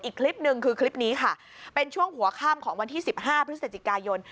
อีกคลิปหนึ่งคือคลิปนี้ค่ะเป็นช่วงหัวข้ามของวันที่๑๕พฤศจิกายน